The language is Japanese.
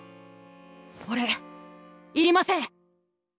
おれいりません。